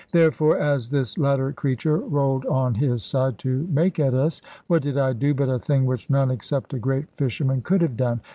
Therefore, as this latter creature rolled on his side to make at us, what did I do but a thing which none except a great fisherman could have done?